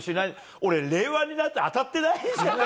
俺、令和になって当たってないんだよ。